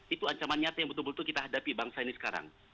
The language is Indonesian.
itu ancaman nyata yang betul betul kita hadapi bangsa ini sekarang